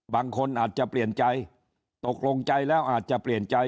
บางคนอาจจะเปลี่ยนใจตกลงใจแล้วอาจจะเปลี่ยนใจ